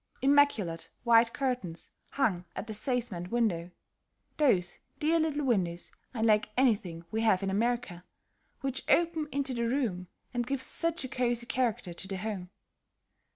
Immaculate white curtains hung at the casement windows, those dear little windows, unlike anything we have in America, which open into the room and give such a cosy character to the home.